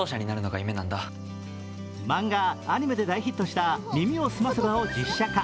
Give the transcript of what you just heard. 漫画、アニメで大ヒットした「耳をすませば」を実写化。